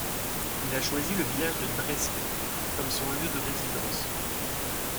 Il a choisi le village de Dreske comme son lieu de résidence.